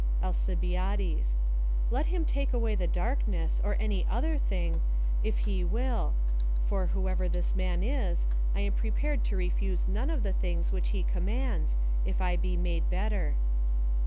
jSlcibtades — Let him take away the darkness, or any other tning, if he will ; f r whoever this man is, I am prei)ared to re fuse none of the things which he conamands, if I shaU be made belter.